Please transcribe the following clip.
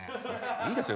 いいですよ